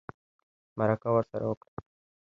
مرکه ورسره وکړه